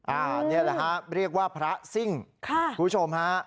อันนี้แหละฮะเรียกว่าพระซิ่งค่ะคุณผู้ชมฮะ